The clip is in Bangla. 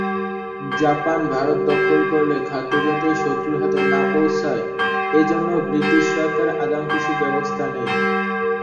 জাপান ভারত দখল করলে খাদ্য যাতে শত্রুর হাতে না পৌঁছায়, এ জন্য ব্রিটিশ সরকার আগাম কিছু ব্যবস্থা নেয়।